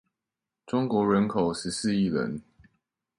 中國人口十四億人